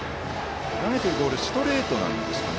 投げてるボールストレートなんですかね。